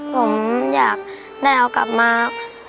ผมอยากได้เอากลับมา